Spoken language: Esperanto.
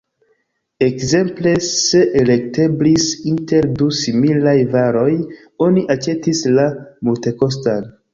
Ekzemple, se elekteblis inter du similaj varoj, oni aĉetis la multekostan.